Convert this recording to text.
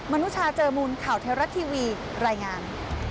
มนุษยาเจอมูลข่าวเทรัตต์ทีวีรายงาน